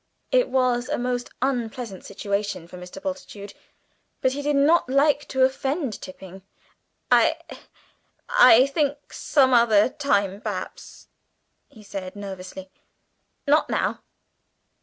It was a most unpleasant situation for Mr. Bultitude, but he did not like to offend Tipping. "I I think some other time, perhaps," he said nervously. "Not now."